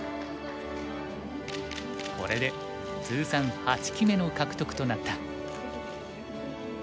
これで通算８期目の獲得となった。